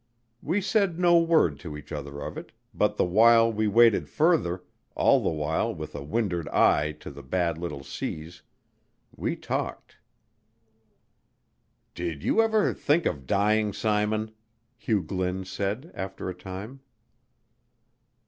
We said no word to each other of it, but the while we waited further, all the while with a wind'ard eye to the bad little seas, we talked. "Did you ever think of dying, Simon?" Hugh Glynn said after a time.